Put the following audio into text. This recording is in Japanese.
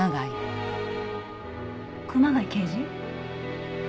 熊谷刑事？